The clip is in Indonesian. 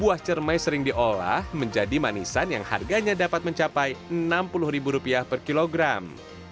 buah cermai sering diolah menjadi manisan yang harganya dapat mencapai rp enam puluh per kilogram